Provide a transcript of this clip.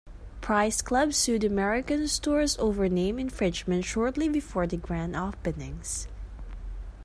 Price Club sued American Stores over name infringement shortly before the grand openings.